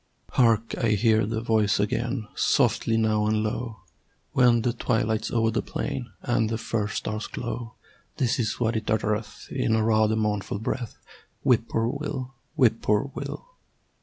Hark! I hear the voice again, Softly now and low, When the twilight's o'er the plain And the first stars glow. This is what it uttereth In a rather mournful breath "Whip poor will! Whip poor will!"